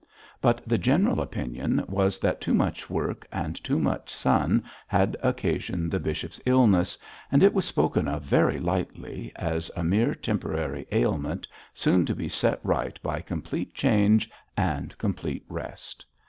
But the general opinion was that too much work and too much sun had occasioned the bishop's illness, and it was spoken of very lightly as a mere temporary ailment soon to be set right by complete change and complete rest.